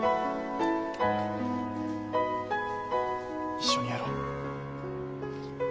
一緒にやろう！